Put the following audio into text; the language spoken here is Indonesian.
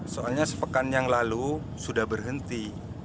soalnya sepekan yang lalu sudah berhenti